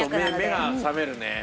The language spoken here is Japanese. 目が覚める。